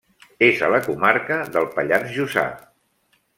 És a la comarca del Pallars Jussà.